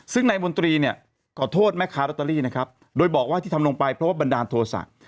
ซึ่งในบนตรีเนี่ยเกาะโทษแม่ค้ารัตตรีนะครับโดยบอกว่าที่ทำลงไปเพราะว่าบรรดาโทษศักดิ์